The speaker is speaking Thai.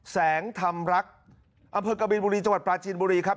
แสงธรรมรักอำเภอกบินบุรีจังหวัดปลาจีนบุรีครับ